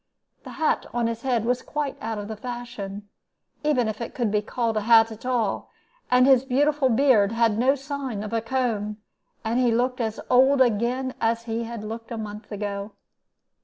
The hat on his head was quite out of the fashion, even if it could be called a hat at all, and his beautiful beard had no sign of a comb, and he looked as old again as he had looked a month ago.